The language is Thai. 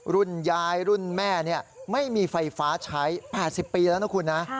รุ่นยายรุ่นแม่ไม่มีไฟฟ้าใช้๘๐ปีแล้วนะคุณนะ